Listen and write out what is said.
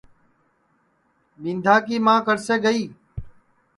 کہ ٻِندھا کی کڑسے گئی